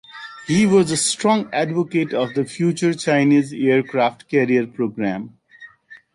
He was a strong advocate of the future Chinese aircraft carrier program.